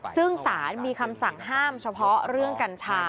ซึ่งสารมีคำสั่งห้ามเฉพาะเรื่องกัญชา